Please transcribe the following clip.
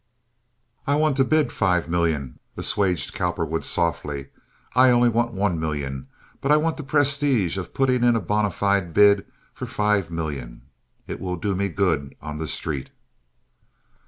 "I want to bid for five million," assuaged Cowperwood, softly. "I only want one million but I want the prestige of putting in a bona fide bid for five million. It will do me good on the street."